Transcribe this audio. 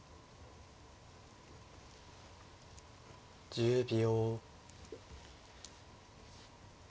１０秒。